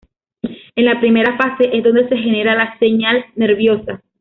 En la primera fase es donde se genera la señal nerviosa.